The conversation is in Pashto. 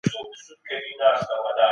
رباني مرحله يوه خيالي دوره ده.